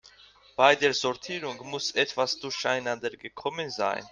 Bei der Sortierung muss etwas durcheinander gekommen sein.